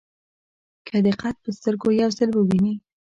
که دې قد په سترګو یو ځل وویني.